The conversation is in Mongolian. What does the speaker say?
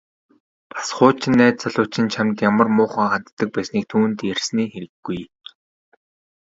Бас хуучин найз залуу чинь чамд ямар муухай ханддаг байсныг түүнд ярьсны хэрэггүй.